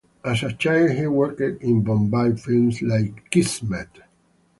As a child, he worked in Bombay films like "Kismet".